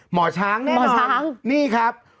หมอช้างแน่นอนนี่ครับ